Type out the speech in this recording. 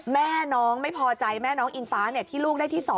แม่น้องไม่พอใจแม่น้องอิงฟ้าที่ลูกได้ที่๒